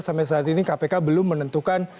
sampai saat ini kpk belum menentukan